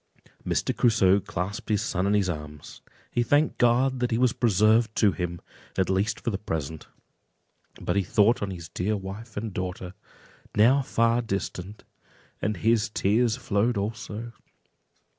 Mr. Crusoe clasped his son in his arms; he thanked God that he was preserved to him, at least for the present; but he thought on his dear wife and daughter, now far distant, and his tears flowed also.